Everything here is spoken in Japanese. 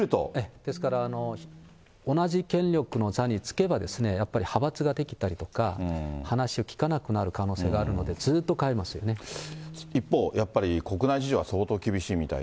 ですから、同じ権力の座に着けば、やっぱり派閥が出来たりとか、話を聞かなくなる可能性があるので、一方、やっぱり国内事情は相当厳しいみたいで。